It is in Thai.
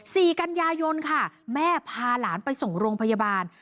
สี่กันยายนค่ะแม่พาหลานไปส่งโรงพยาบาล